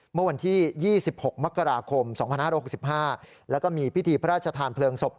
เมื่อวันที่๒๖มกราคม๒๕๖๕แล้วก็มีพิธีพระราชทานเพลิงศพ